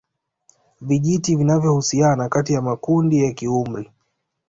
Vijiti vinavyohusiana kati ya makundi ya kiumri